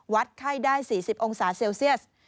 ไข้ได้๔๐องศาเซลเซียส